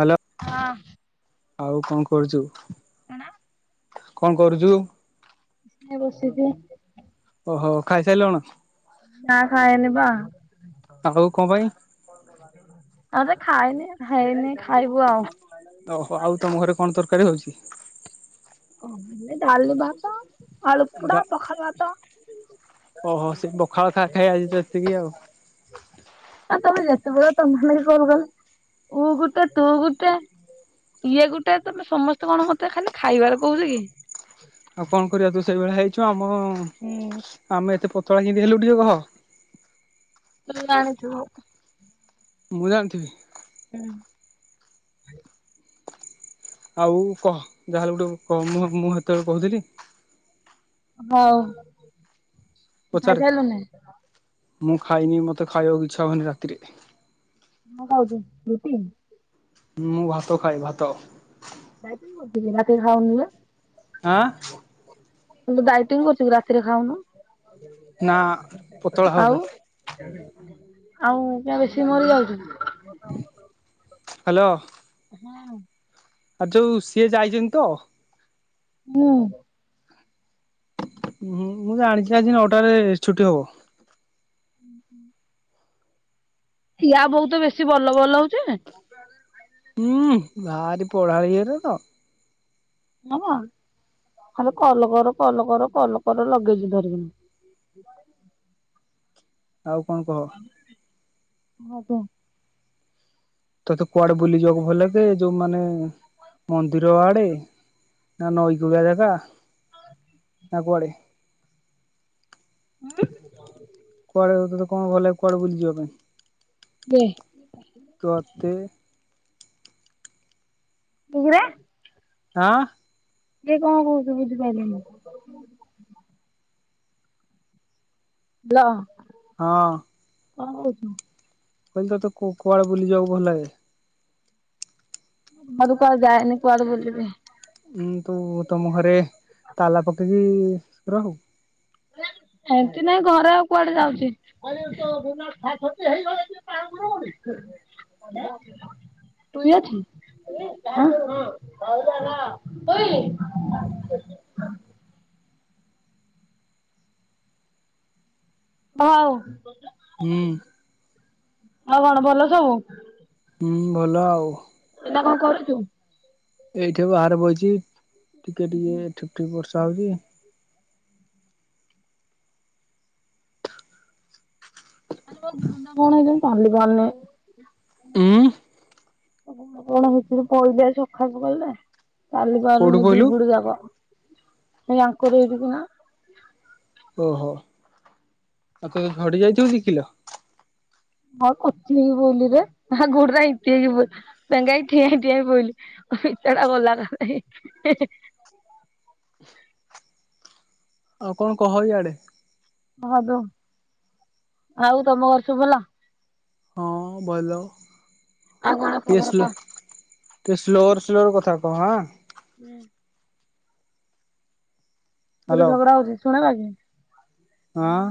Hello ହଁ ଆଉ କଣ କରୁଚୁ? କଣ? କଣ କରୁଚୁ? ବସିଚି। ଓହୋ ଖାଇ ସାଇଲୁଣୁ? ନା ଖାଇନି ପା। ଆ ହଉ କଣ ପାଇଁ? ଆରେ ଖାଇନି -ଖାଇନି ଖାଇବୁ ଆଉ। ଓହୋ ଆଉ ତମ ଘରେ କଣ ତରକାରୀ ହଉଚି? ଏ ଡାଲି, ଭାତ ଆଳୁ ପୋଡା ପଖାଳ ଭାତ। ଓହୋ ସେ ପଖାଳ ଖାଇ ଖାଇ ଆଜି ତ ଏତିକି ଆଉ। ଆଉ ତମେ ଯେତେବେଳେ ତମ ମାନେ କଲ୍ କଲ। ଉ ଗୋଟେ ତୁ ଗୋଟେ ଇଏ ଗୋଟେ ତମେ ସମସ୍ତେ କଣ ମତେ ଖାଲି ଖାଇବାରେ କହୁଚ କି। ଆଉ କଣ କରିବା ତୁ ସେଇଭଳିଆ ହେଇଚୁ ଆମ ଆମେ ଏତେ ପତଳା କିନ୍ତି ହେଲୁ ଟିକେ କହ। ଜାଣିଚୁ। ମୁଁ ଜାଣିଥିବି। ହୁଁ। ଆଉ କହ ଯାହାହେଲେ ଗୋଟେ ମୁଁ -ମୁଁ ହେତେବେଳେ କହୁଥିଲି। ହଉ। ତୁ ପଚାରେ ଖାଇସାରିଲୁନି? ମୁଁ ଖାଇନି ମତେ ଖାଇବାକୁ ଇଚ୍ଛା ହବନି ରାତିରେ। କଣ୍ ଖାଉଚୁ ରୁଟି? ମୁଁ ଭାତ ଖାଏ ଭାତ। କାଇଁ ତୁ ରୁଟି ରାତିରେ ଖାଉନୁ ବେ। ଆଁ। କିନ୍ତି ଡାଇଟିଂ କରୁଚୁ ରାତିରେ ଖାଉନୁ। ନା ପତଳା ହବା ଆଉ। ପାଇଁ ଆଉ କିଆଁ ବେଶୀ ମୋର ଯାଉଚି କି? ହ୍ୟାଲୋ। ହଁ। ଆ ଯୋଉ ସିଏ ଯାଇଚନ୍ତି ତ। ହଁ। ହୁଁ ମୁଁ ଜାଣିଛିି ଆଜି ନଅଟ ରେ ଛୁଟି ହବ। ହୁଁ ହୁଁ। ଇଆ ବହୁ ତ ବେଶୀ ବଲ ବଲ ହଉଚି। ହୁଁ ଭାରି ପଢ଼ାଳି ଏରା ତ। ହଁ ଖାଲି କଲ କର କଲ କର କଲ କର ଲଗେଇଚି ଧରିକିଣି। ଆଉ କଣ କହ। ଆଉ କଣ। ତୋତେ କୁଆଡେ ବୁଲି ଯିବାକୁ ଭଲ ଲାଗେ ଯୋଉ ମାନେ ମନ୍ଦିର ଆଡେ। ନା ନଈକୁଳିଆ ଜାଗା। ଆ କୁଆଡେ। ହୁଁ। କୁଆଡେ ଯାଇଥିଲେ କଣ କଲେ କୁଆଡେ ବୁଲିଯିବା ପାଇଁ। ବେ ତୋଅତେ ପୁଉରା ହଁ। ସିଏ କଣ କହୁଚୁ ବୁଝିପାଇଲିନି। ବ୍ଲ ହଁ। ଅ ହଉ କହିଲି ତ ତତେ କୁଆଡେ ବୁଲିି ଜିବାକୁ ଭଲ ଲାଗେ। ମୁଁ ତ କୁଆଡେ ଯାଇନି କୁଆଡେ ବୁଲିବି। ଉଁ ତୁ ତମ ଘରେ ତାଲା ପକେଇକି ରହୁ। ଏମିତି ନାଇଁ ଘର ଆଉ କୁଆଡେ ଯାଉଚି। [unintelligible] ତୁ ଯାଇଛି। [unintelligible] ଭାଉ ହୁଁ। ଆଉ କଣ ଭଲ ସବୁ। ହୁଁ ଭଲ ଆଉ। ଏଇନା କଣ କରୁଚୁ। ଏଇଠି ବାହାରେ ବଇଚି ଟିକେ ଟିକେ ଠୁକ୍ ଠୁକ୍ ବର୍ଷା ହଉଚି। ମୋ ଗୋଡ ଟା କଣ ହଉଚି ଯେ ମୁଁ ଚାଲି ପାରୁନେଇ। ଉଁ କଣ କଣ ହେଇଚି ସକାଳୁ ସକାଳୁ ଯେ [unintelligible] ଚାଲି କୋଉଠୁ ପାରୁନି କହିଲୁ ଦିଗୁଡ ଯାକ। ଆଙ୍କର ଏଇଠି କିଆଁ। ଓହୋ ଆଉ ତୁ ଝଡି ଯାଇଥିବୁ ଦି କିଲ। ହଁ କଚିକି ପଇଲି ରେ ଆ ଗୋଡରା ହେଇତି ହେଇକି ପଇ ପେଙ୍ଗା ହେଇ ଠିଆ ହେଇ ଠିଆ ହେଇ ପଇଲି ଅ ପିଚା ରା ଗଲା ଆ ହେ ହେ। ଆଉ କଣ କହ ଇଆଡେ। ହ ଦୋ ଆଉ ତମ ଘରେ ସବୁ ଭଲ। ହଁ ବଲ ଆଉ କଣ ଖବର ଟେଷ୍ଟ ର କହ ଟିକେ ସ୍ଲୋରେ ସ୍ଲୋରେ କଥା କହ ଆଁ। ହୁଁ। ଗୋଟେ ହ୍ୟାଲୋ ଝଗଡ଼ା ହଉଚି ଶୁଣା ଯାଉଚି। ହଁ।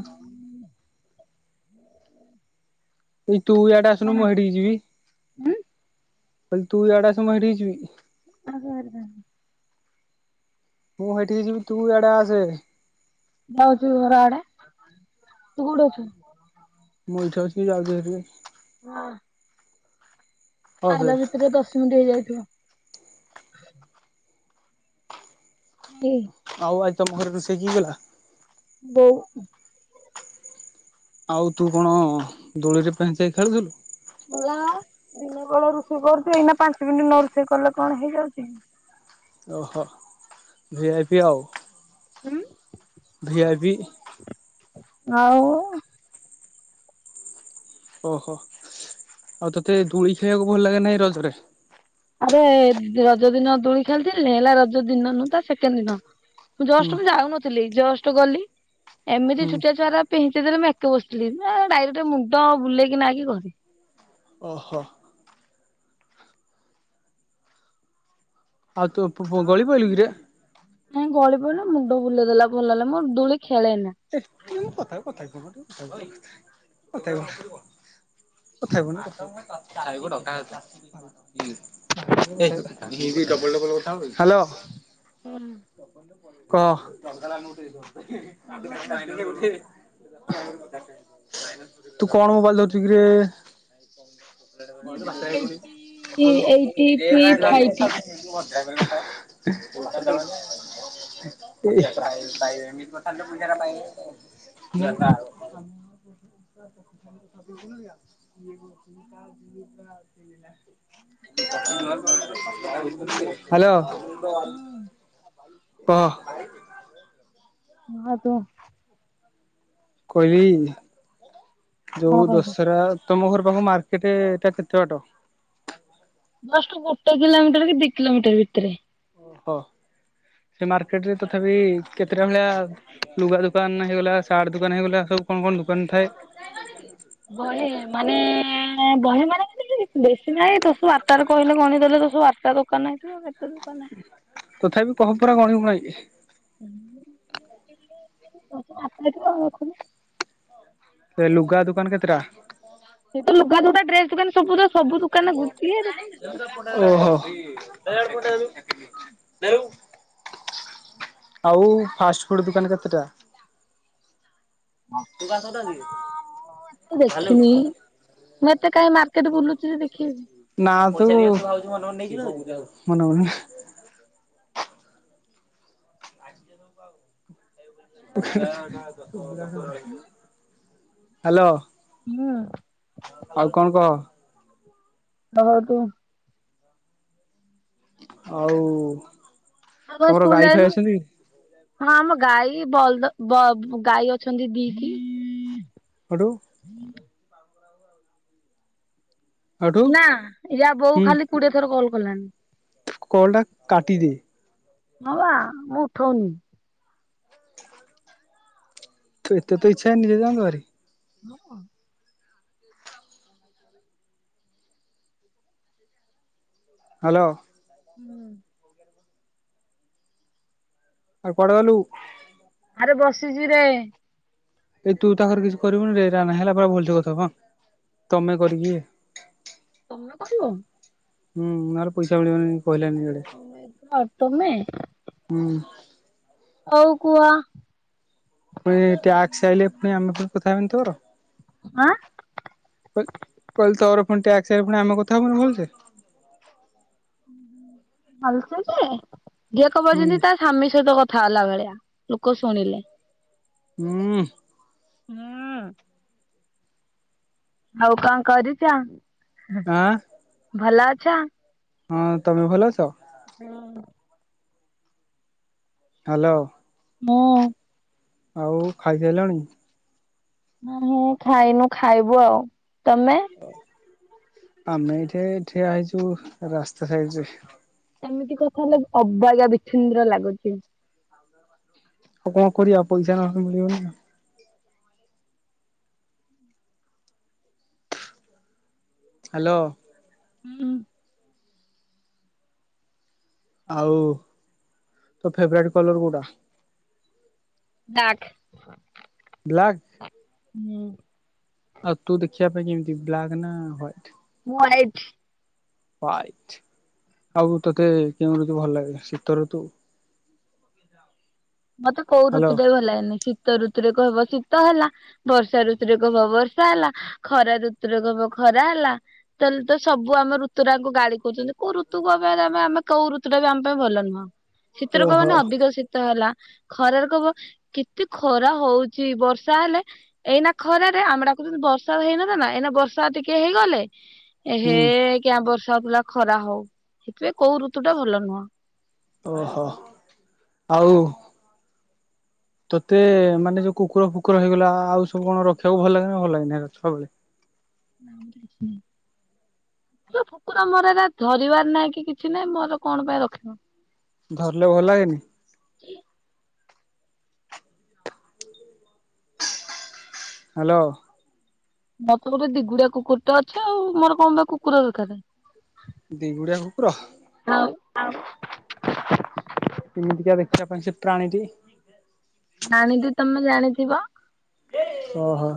ଏଇ ତୁ ଇଆଡେ ଆସୁନୁ କଣ ମୁଁ ହେଠିକି ଯିବି। [unintelligible] କହିଲି ତୁ ଇଆଡ଼େ ଆସେ ମୁଁ ହେଠିକି ଯିବି। [unintelligible] ମୁଁ ହେଇଠିକି ଯିବି ତୁ ଇଆଡେ ଆସେ ହେରି। ଯାଉଚି ଘର ଆଡେ ତୁ କୋଉଠି ଅଛୁ? ମୁଁ ଏଇଠି ଅଛି ଯାଉଛି ହେରି। ହଁ। ହଉ ସେ ଆଇଲା ଭିତରେ ଦଶ ମିନିଟ୍ ହେଇଯାଇଥିବ। ହୁଁ। ଆଉ ଆଜି ତମ ଘରେ ରୋଷେଇ କିଏ କଲା? ବୋଉ। ଆଉ ତୁ କଣ ଦୋଳିରେ ପେହଞ୍ଚାଇ ଖେଳୁଥିଲୁ। ମଲା ଦିନବେଳା ରୋଷେଇ କରୁଛି ଏଇନା ପାଞ୍ଚ ମିନିଟ ନ ରୋଷେଇ କଲେ କଣ ହେଇଯାଉଛି? ଓହୋ ଭି ଆଇ ପି ଆଉ ଭି ଆଇ ପି। ଆଉ ଓହୋ ଆଉ ତତେ ଦୂଳି ଖେଳିବାକୁ ଭଲ ଲାଗେ ନା ଏ ରଜରେ? ଆରେ ରଜ ଦିନ ଦୋଳି ଖେଳିଥିଲି ହେଲା ରଜ ଦିନ ନୁହ ତା ସେକେଣ୍ଡ ଦିନ। ହୁଁ ଜଷ୍ଟ ମୁଁ ଯାଉନଥିଲି ଜଷ୍ଟ ଗଲି। ଏମିତି ହୁଁ ଛୁଟିଆ ଛୁଆ ପିଙ୍କେଇ ଦେଲେ ମୁଁ ଏକା ବସିଥିଲି ଡାଇରେକ୍ଟ ମୁଣ୍ଡ ବୁଲେଇକିନା ଘରକୁ। ଓହୋ। ଆଉ ତୁ ଫୁ ଗଳିପଇଲୁ କିରେ? ନାଇଁ ଗଳି ପଡିଲି ମୁଣ୍ଡ ବୁଲେଇଦେଲା ଭଲ ହେଲା ମୋର ଦୁଳି ଖେଳେନା। ଏ କଥା କଥା କ କ କଥା କ କଥା ହେବୁ ନା କଥା ହେବୁ ଆଉ ଡକା ହେଉଥିଲା। ହେଲୋ। ହୁଁ। କ ତୁ କଣ ମୋବାଇଲ ଧରୁଛୁ କିରେ? [unintelligible] [unintelligible] ଭିବୋ କାଲୁ ଏଇଟି ଏଇଟି ଥ୍ରୀ ଫାଇଭ୍। ପୂଜାର ପାଇଁ [unintelligible] [inaudible] ହାଲୋ। ପ ହ କୁହ। କହିବି କଣ ଯୋଉ କହିବୁ ଦଶହରା। ତମ ଘର ପାଖ ମାର୍କେଟଟା କେତେ ବାଟ? ଜଷ୍ଟ ଗୋଟେ କିଲୋମିଟର କି ଦି କିଲୋମିଟର ଭିତରେ। ଓହୋ ସେ ମାର୍କେଟ ରେ ତଥାପି କେତେଟା [unintelligible] ଲୁଗା ଦୋକାନ ହେଇଗଲା ସାର୍ଟ ଦୋକାନ ହେଇଗଲା ସବୁ କଣ କଣ ଦୋକାନ ଥାଏ? ବହେ ମାନେ ବହେ ମାନେ [unintelligible] ବେଶୀ ନାହିଁ ତ ତୁ ଆଟଟା ରୁ କହିଲେ ଗଣି ଦେଲେ ତ ସେଇ ଆଠଟା ଦୋକାନ ହେଇଥିବ ଆଉ କେତେ ଦୋକାନ? ତଥାପି ପହମ୍ପରା ଗଣିବ ନାଇଁକି। [inaudible] କ ରଖୁ ସେ ଲୁଗା ଦୋକାନ କେତେଟା? ସେଇଟା ଲୁଗା, ଡ୍ରେସ ଦୋକାନ ସବୁ ତ ସବୁ ଦୋ ଓହୋ। ଆଉ ଫାଷ୍ଟ ଫୁଡ ଦୋକାନ କେତେଟା। [unintelligible] ମୁଁ ଦେଖିନି ମୁଁ ଏତେ କାଇଁ ମାର୍କେଟ ବୁଲୁଛି ଯେ ଦେଖିବି। ନା ତୁ ମନେ ମନେ। [unintelligible] ହାଲୋ। ହୁଁ। ଆଉ କଣ କହ। ତମେ କୁହ। ଆଉ। ଆଉ କଣ ତମର ସ୍କୁଲ ଗାଈ ଫାଇ ଯାଇନୁ। ଅଛନ୍ତି ହଁ ଆମ ଗାଈ ବଲଦ ବ ଗାଈ ଅଛନ୍ତି ଦିଟି। ସେଠୁ। [inaudible] ହଠୁ ନା ୟା ବୋଉ ହୁଁ ଖାଲି କୁଡିଏ ଥର କଲ୍ କଲାଣି। କଲ୍ ଟା କାଟିଦେ। ହଁ ବା ମୁଁ ଉଠଉନି। ତୋ ଏତେ ତ ଇଚ୍ଛା ନିିଜେ ଯାଆନ୍ତୁ ଭାରି। ମୋ କଣ। ହ୍ୟାଲୋ। ହୁଁ। ଆଉ କୁଆଡେ ଗଲୁ। ଆରେ ବସିଛି ରେ। ଏଇ ତୁ ତାଖରେ କିଛି କରିବୁନି ରେ ରା ନା ହେଲା ପୁରା ଭଲସ କଥା ହ ତମେ କରିକି। ତମେ କରିବ। ହୁଁ ନହେଲେ ପଇସା ମିଳିବନି କହିଲାନି ଏଟେ। ହୁଏ ତ ତମେ। ହୁଁ। ହଉ କୁହ। ପୁଣି ଟ୍ୟାକ୍ସ ଆଇଲେ ପୁଣି ଆମେ କଥା ହେବାନି ତୋର। ଆଁ। କହିଲି କହିଲି ତୋର ପୁଣି ଟ୍ୟାକ୍ସ ଆସିଲେ ପୁଣି ଆମେ କଥା ହବାନି ଭଲସେ। ହୁଁ ହୁଁ ଭଲସେ ଯେ ଯିଏ ଖବର ହୁଁ ଯେମିତା। ସ୍ୱାମୀ ସହିତ କଥା ହେଲା ଭଳିଆ ଲୋକ ଶୁଣିଲେ। ହୁଁ। ହଁ। ଆଉ କଣ କରିଛ ଆଁ ଭଲ ଅଛ। ହଁ ତମେ ଭଲ ଅଛ। ହଁ। ହ୍ୟାଲୋ। ମୁଁ। ଆଉ ଖାଇସାଇଲଣି। ନା ମୁଁ ଖାଇନୁ ଖାଇବୁ ଆଉ ତମେ। ଆମେ ଏଠି ଠିଆ ହେଇଛୁ ରାସ୍ତା ସାଇଡରେ। ଏମିତି କଥା ହେଲେ ଅବାଗୀଆ ବି୍ଛୁନ୍ଦ୍ର ଲାଗୁଛି। ଆଉ କଣ କରିବା ପଇସା ନହେଲେ ମିଳିବନି। ହ୍ୟାଲୋ। ହୁଁ। ଆଉ ତୋ ଫେବ୍ରାଇଟ୍ କଲର୍ କୋଉଟା। ବ୍ଲାକ୍। ବ୍ଲାକ୍? ହୁଁ। ଆଉ ତୁ ଦେଖିବା ପାଇଁ କେମିତି ବ୍ଲାକ୍ ନା ହ୍ୱଇଟ୍? ମୁଁ ହ୍ୱାଟ୍ ହୁଆଇଟ ଆଉ ତୋତେ କେଉଁ ଋତୁ ଭଲ ଲାଗେ ଶୀତ ଋତୁ [inaudible] ମତେ କଉ ହ୍ୟାଲୋ ଋୁତୁ ଟା ବି ଭଲ ଲାଗେନି। ଶୀତ ଋତୁରେ କହିବ ଶୀତ ହେଲା ବର୍ଷା ଋତୁରେ କହିବ ବର୍ଷା ହେଲା। ଖରା ରୁତୁରେ କହିବ ଖରା ହେଲା। ତାହେଲେ ତ ସବୁ ଆମ ଋତୁଟା କୁ ଗାଳି କୁଛନ୍ତି କୋଉ ଋତୁକୁ ଆମେ କୋଉ ଋତୁଟା ବି ଆମ ପାଇଁ ଭଲ ନୁହଁ। ଶୀତ ରେ କହିବ ଓହୋ ନା ଅଧିକ ଶୀତ ହେଲା। ଖରାରେ କହିବ କେତେ ଖରା ହଉଛି। ବର୍ଷା ହେଲେ ଏଇନା ଖରରେ ଆମଡାକୁ ବର୍ଷା ହେଇନଥା ନା ଏଇନା ବର୍ଷା ଟିକେ ହେଇଗଲେ ଏ ହେ ହୁଁ କିଆ ବର୍ଷା ହଉଥିଲା ଖରା ହଉ ସେଇଥିପାଇ କୋଉ ଋତୁ ଟା ଭଲ ନୁହଁ। ଓହୋ ଆଉ। ତୋତେ ମାନେ ଯୋଉ କୁକୁର ଫୁକୁର ହେଇଗଲା ଆଉ ସବୁ କଣ ରଖିବାକୁ ଭଲ ଲାଗେନ ଭଲ ଲାଗେନ ଛୁଆବେଳେ। ନମତେ କିଛି କୁକୁର ଫୁକୁର ଏରା ମୋର ଏ ଧରିବାର ନାଇଁ କି କିଛି ନାହିଁ ମୋର କଣ ପାଇଁ ରଖିବ। ଧରିଲେ ଭଲ ଲାଗେନି। ହ୍ୟାଲୋ। ମୋତ ଗୋଟେ ଦିଗୁଡିଆ କୁକୁର ଟା ଅଛି ଆଉ ମୋର କଣ ବା କୁକୁର ଦରକାର। ଦିଗୁଡ଼ିଆ କୁକୁର। ଆଉ କେମିତିକା ଦେଖିବା ପାଇଁ ସେ ପ୍ରାଣୀଟି। ପ୍ରାଣୀ ଟି ତମେ ଜାଣିଥିବ। ଓହୋ।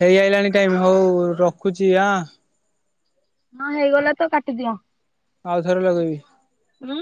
ହେଇ ଆଇଲାଣି ଟାଇମ ହଉ ରଖୁଛି ଆଁ। ହଁ ହେଇଗଲା ତ କାଟିଦିଅ। ଆଉଥରେ ଲଗେଇବି। ଉଁ